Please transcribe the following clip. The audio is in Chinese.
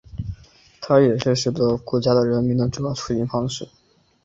它也是许多国家的人们的主要出行方式。